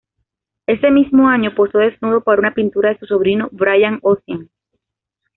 Ese mismo año, posó desnudo para una pintura de su sobrino, Brian Ocean.